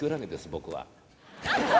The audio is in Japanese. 僕は。